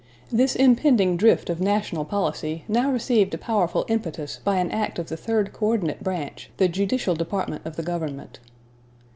This impending drift of national policy now received a powerful impetus by an act of the third coördinate branch, the judicial department of the government.